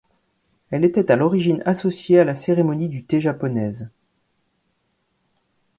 Elle était à l'origine associée à la cérémonie du thé japonaise.